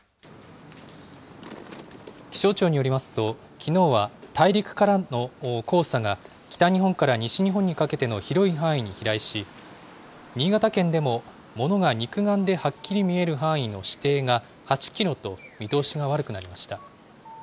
気象庁によりますと、きのうは大陸からの黄砂が、北日本から西日本にかけての広い範囲に飛来し、新潟県でも物が肉眼ではっきり見える範囲の視程が、８キロと見通しが悪くなりました。